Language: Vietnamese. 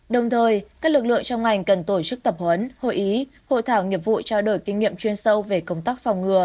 đồng thời các lực lượng trong ngành cần tổ chức tập huấn hội ý hội thảo nghiệp vụ trao đổi kinh nghiệm chuyên sâu về công tác phòng ngừa